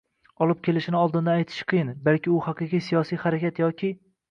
olib kelishini oldindan aytish qiyin – balki u haqiqiy siyosiy harakat yoki